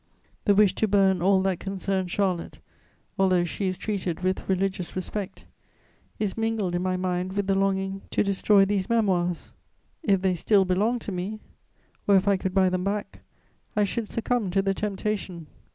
The wish to burn all that concerns Charlotte, although she is treated with religious respect, is mingled in my mind with the longing to destroy these Memoirs: if they still belonged to me, or if I could buy them back, I should succumb to the temptation.